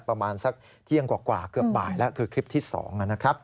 ประมาณสักเที่ยงกว่าเกือบบ่ายแล้วคือคลิปที่๒นะครับ